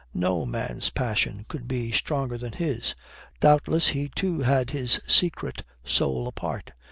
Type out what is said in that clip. No man's passion could be stronger than his. Doubtless he too had his secret soul apart.